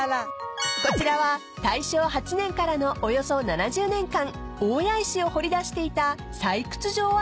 ［こちらは大正８年からのおよそ７０年間大谷石を掘り出していた採掘場跡が見られるんです］